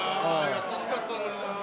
・優しかったのにな